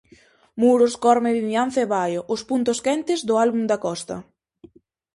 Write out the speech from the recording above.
Muros, Corme, Vimianzo e Baio, os puntos quentes do álbum da Costa.